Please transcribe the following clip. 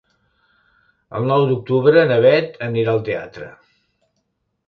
El nou d'octubre na Bet anirà al teatre.